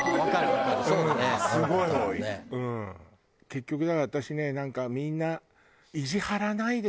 結局だから私ねなんかみんな。